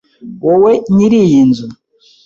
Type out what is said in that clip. Wowe nyiri iyi nzu?